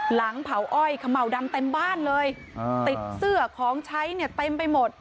หลังเผาอ้อยเขม่าวดำเต็มบ้านเลยติดเสื้อของใช้เนี่ยเต็มไปหมด